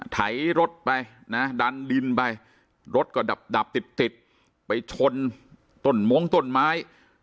ไถรถไปนะดันดินไปรถก็ดับติดติดไปชนต้นมงต้นไม้